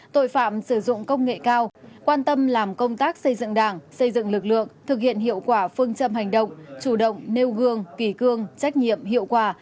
tội phạm sử dụng công nghệ cao quan tâm làm công tác xây dựng đảng xây dựng lực lượng thực hiện hiệu quả phương châm hành động chủ động nêu gương kỳ cương trách nhiệm hiệu quả